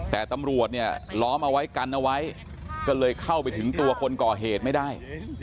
แต่ตำรวจเนี่ยล้อมเอาไว้กันเอาไว้ก็เลยเข้าไปถึงตัวคนก่อเหตุไม่ได้